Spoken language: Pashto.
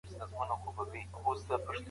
ما پرون د کور کالي مينځلې.